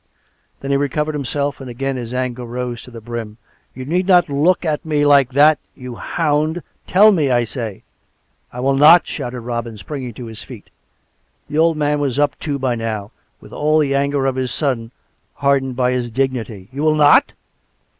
Then he recovered him self, and again his anger rose to the brim. " You need not look at me like that, you hound. Tell me, I say !" COME RACK! COME ROPE! 47 " I will not! " shouted Robin, springing to his feet. The old man was up too by now, with all the anger of his son hardened by his dignity. " You will not.''